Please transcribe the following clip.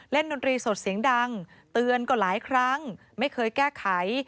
ดนตรีสดเสียงดังเตือนก็หลายครั้งไม่เคยแก้ไข